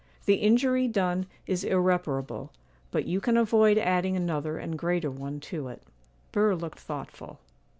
The injury done is irreparable, but you can avoid adding another and greater one to it.' Burr looked thoughtful.